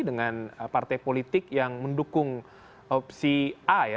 dengan partai politik yang mendukung opsi a ya